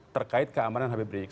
terkait keamanan habib rizik